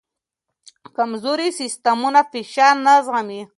کمزوري سیستمونه فشار نه زغمي.